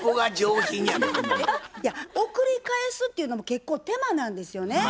いや送り返すっていうのも結構手間なんですよね。